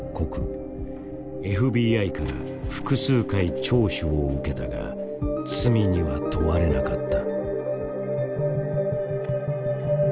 ＦＢＩから複数回聴取を受けたが罪には問われなかった。